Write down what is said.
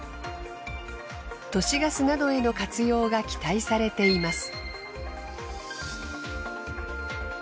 都市ガスなどへの活用が期待されています。